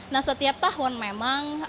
nah setiap tahun memang